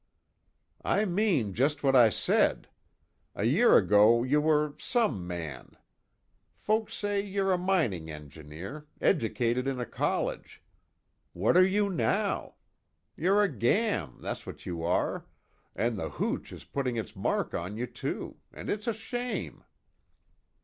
"I mean just what I said. A year ago you were some man. Folks say you're a mining engineer educated in a college. What are you now? You're a gam., that's what you are, and the hooch is putting its mark on you, too and it's a shame."